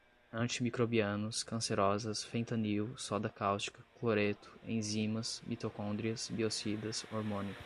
antimicrobianos, cancerosas, fentanil, soda cáustica, cloreto, enzimas, mitocôndrias, biocidas, hormônio